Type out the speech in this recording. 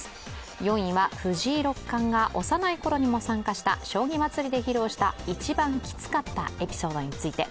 ４位には、藤井六冠が幼いころにも参加した将棋まつりで披露した一番きつかったエピソードについて。